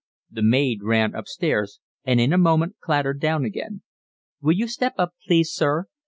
The maid ran upstairs and in a moment clattered down again. "Will you step up, please, sir.